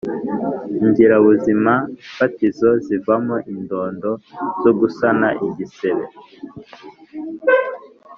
Ingirabuzimafatizo zivamo indodo zo gusana igisebe